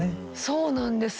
そうなんですね。